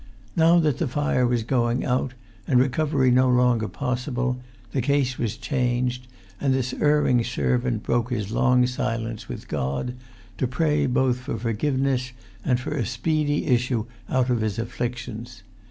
Now that the fire was going out, and recovery no longer possible, the case was changed; and this erring servant broke his long silence with God, to pray both for forgiveness and for a speedy issue out of his afflictions.